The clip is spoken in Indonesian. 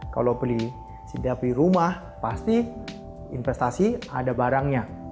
kalau beli cynthia beli rumah pasti investasi ada barangnya